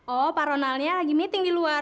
oh pak ronaldnya lagi meeting di luar